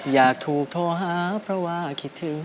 อยากถูกโทรหาเพราะว่าคิดถึง